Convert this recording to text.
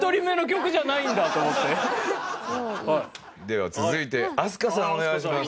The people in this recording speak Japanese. では続いて飛鳥さんお願いします。